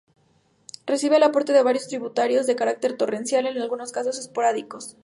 Recibe el aporte de varios tributarios de carácter torrencial, en algunos casos esporádicos.